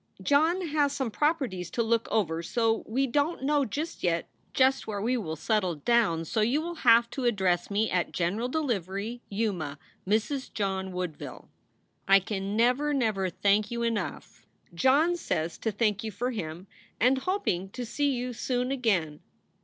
John has some properties to look over so we dont know just yet just where we will settle down so you will have to address me at General Delivery, Yuma, Mrs. John Woodville. I can never never thank you enough John says to thank you for him and hopeing to see you soon again.